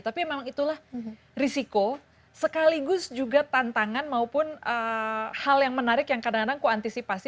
tapi memang itulah risiko sekaligus juga tantangan maupun hal yang menarik yang kadang kadang kuantisipasi